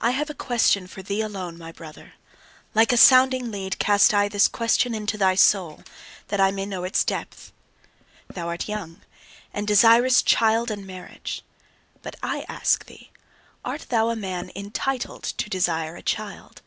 I have a question for thee alone, my brother: like a sounding lead, cast I this question into thy soul, that I may know its depth. Thou art young, and desirest child and marriage. But I ask thee: Art thou a man ENTITLED to desire a child?